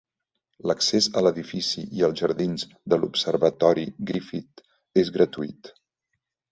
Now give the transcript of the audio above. L'accés a l'edifici i als jardins de l'Observatori Griffith és gratuït.